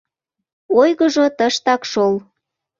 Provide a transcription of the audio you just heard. — Ойгыжо тыштак шол!